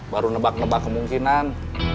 baru nebak nebak kemungkinan